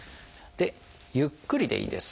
ゆっくりでいいです。